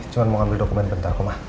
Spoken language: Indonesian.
cuma mau ngambil dokumen bentar kok mah